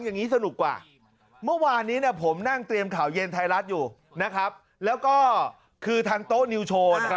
นะครับแล้วก็ทางโต๊นนิวโชน